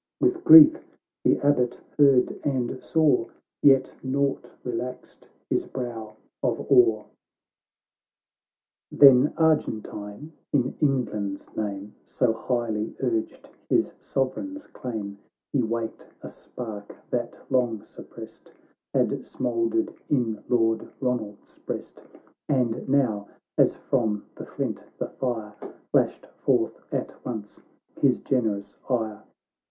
—■ With grief the Abbot heard and saw, Yet nought relaxed his brow of awe. Then Argentine, in England's name, So highly urged his sovereign's claim, He waked a spark, that, long suppressed, Had smouldered in Lord Ronald's breast ; And now, as from the flint the fire, Plashed forth at once his generous ire.